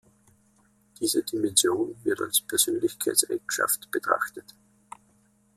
Diese Dimension wird als Persönlichkeitseigenschaft betrachtet.